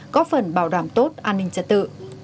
có phần bảo đảm tốt an ninh trật tự